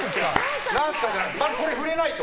これ触れないと。